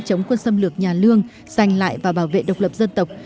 chống quân xâm lược nhà lương giành lại và bảo vệ độc lập dân tộc